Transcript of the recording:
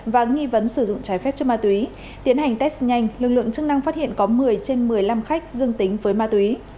và nghi vấn sử dụng trái phép chất ma túy tiến hành test nhanh lực lượng chức năng phát hiện có một mươi trên một mươi năm khách dương tính với ma túy